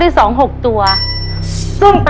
คุณฝนจากชายบรรยาย